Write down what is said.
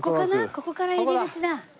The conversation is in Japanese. ここから入り口だ。